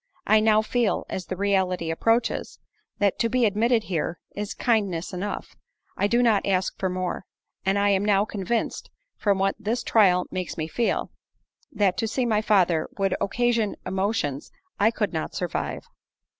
I now feel, as the reality approaches, that to be admitted here, is kindness enough—I do not ask for more—I am now convinced, from what this trial makes me feel, that to see my father, would occasion emotions I could not survive."